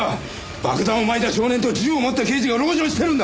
爆弾を巻いた少年と銃を持った刑事が籠城してるんだ！